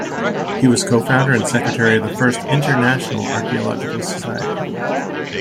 He was co-founder and secretary of the first international archaeological society.